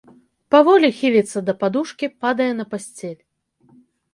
Паволі хіліцца да падушкі, падае на пасцель.